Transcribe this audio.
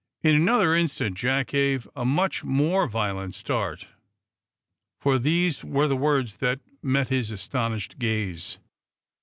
In another instant Jack gave a much more violent start. For these were the words that met his astounded gaze.